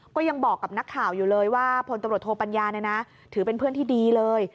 ก็ยังบอกกับนักข่าวอยู่เลยว่าพลตำรวจโทปัญญาเนี่ยนะถือเป็นเพื่อนที่ดีเลย